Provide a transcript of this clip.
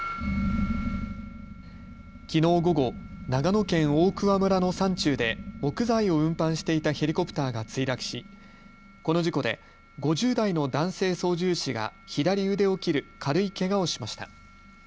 きのう午後、長野県大桑村の山中で木材を運搬していたヘリコプターが墜落しこの事故で５０代の男性操縦士が左腕を切る軽いけがをしました。